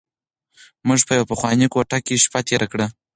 موږ په یوه پخوانۍ کوټه کې شپه تېره کړه.